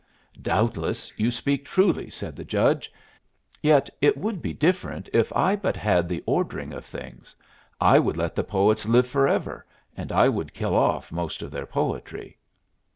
"Doubtless you speak truly," said the Judge; "yet it would be different if I but had the ordering of things. I would let the poets live forever and I would kill off most of their poetry."